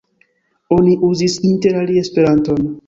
Oni uzis interalie esperanton.